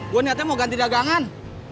gue niatnya mau ganti dagangan